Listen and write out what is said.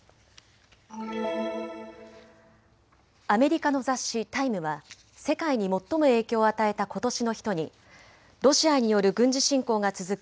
アメリカの雑誌、タイムは世界に最も影響を与えたことしの人にロシアによる軍事侵攻が続く